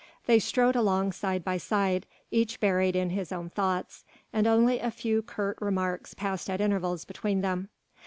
They strode along side by side, each buried in his own thoughts, and only a few curt remarks passed at intervals between them.